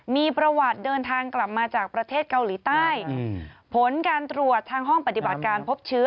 มีประวัติเดินทางกลับมาจากประเทศเกาหลีใต้ผลการตรวจทางห้องปฏิบัติการพบเชื้อ